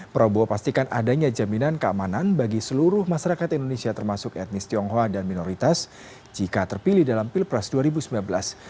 prabowo pastikan adanya jaminan keamanan bagi seluruh masyarakat indonesia termasuk etnis tionghoa dan minoritas jika terpilih dalam pilpres dua ribu sembilan belas